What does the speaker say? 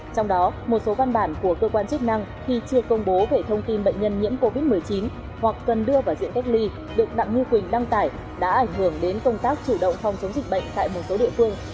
trong đó một số văn bản của cơ quan chức năng khi chưa công bố về thông tin bệnh nhân nhiễm covid một mươi chín hoặc cần đưa vào diện cách ly được đặng như quỳnh đăng tải đã ảnh hưởng đến công tác chủ động phòng chống dịch bệnh tại một số địa phương